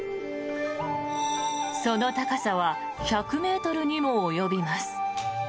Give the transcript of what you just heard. その高さは１００ｍにも及びます。